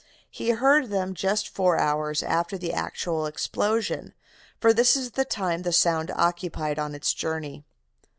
He had heard them just four hours after the actual explosion, for this is the time the sound occupied on its journey.